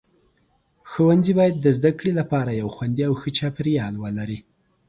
ښوونځي باید د زده کړې لپاره یو خوندي او ښه چاپیریال ولري.